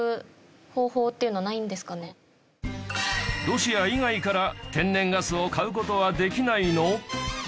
ロシア以外から天然ガスを買う事はできないの？